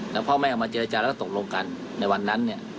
แล้วพ่อแม่ออกมาเจรจาแล้วก็ตกลงกันในวันนั้นเนี่ย